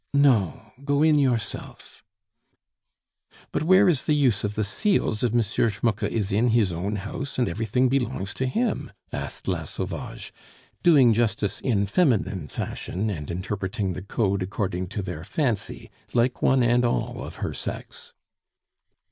"No go in yourself." "But where is the use of the seals if M. Schmucke is in his own house and everything belongs to him?" asked La Sauvage, doing justice in feminine fashion, and interpreting the Code according to their fancy, like one and all of her sex.